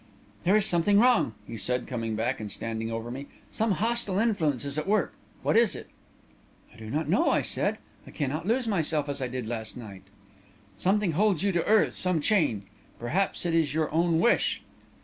"'There is something wrong,' he said, coming back and standing over me. 'Some hostile influence is at work. What is it?' "'I do not know,' I said. 'I cannot lose myself as I did last night.' "'Something holds you to earth some chain. Perhaps it is your own wish.'